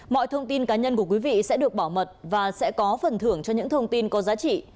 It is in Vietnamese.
mọi thông tin cá nhân của quý vị sẽ được bảo mật và sẽ có phần thưởng cho những thông tin có giá trị